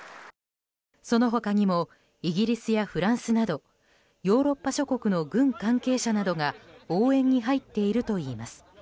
その他にもイギリスやフランスなどヨーロッパ諸国の軍関係者などが応援に入っているといいます。